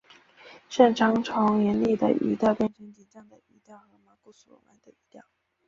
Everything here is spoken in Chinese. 善长从严厉的语调到变成紧张的语调和毛骨悚然的语调。